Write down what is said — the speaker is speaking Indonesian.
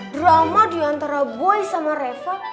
drama diantara boy sama revo